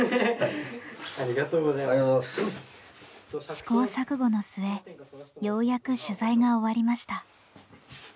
試行錯誤の末ようやく取材が終わりました。